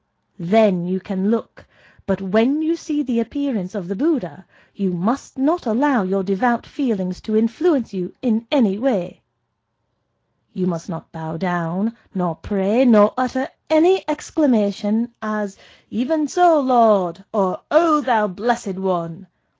Then you can look. But when you see the appearance of the Buddha, you must not allow your devout feelings to influence you in any way;—you must not bow down, nor pray, nor utter any such exclamation as, 'Even so, Lord!' or '_O thou Blessed One!